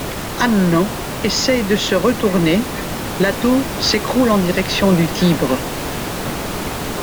Hanno essaie de se retourner, la tour s'écroule en direction du Tibre.